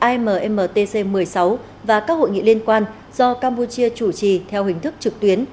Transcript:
ammtc một mươi sáu và các hội nghị liên quan do campuchia chủ trì theo hình thức trực tuyến